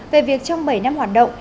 về việc trong bảy năm hoạt động